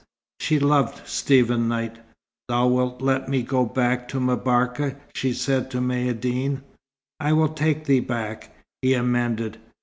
She loved Stephen Knight. "Thou wilt let me go back to M'Barka?" she said to Maïeddine. "I will take thee back," he amended.